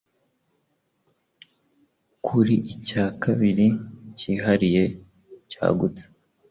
Kuri icya kabiri cyihariye cyagutse